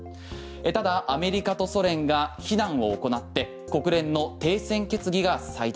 ただ、アメリカとソ連が非難を行って国連の停戦決議が採択。